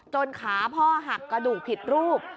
ขาพ่อหักกระดูกผิดรูป